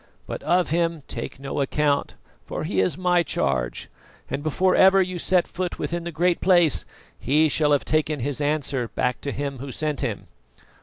But of him take no account, for he is my charge, and before ever you set a foot within the Great Place he shall have taken his answer back to Him Who sent him."